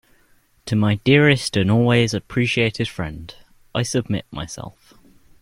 To my dearest and always appreciated friend, I submit myself.